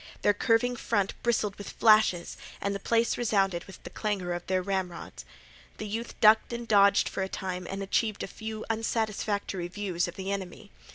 Their curving front bristled with flashes and the place resounded with the clangor of their ramrods. The youth ducked and dodged for a time and achieved a few unsatisfactory views of the enemy.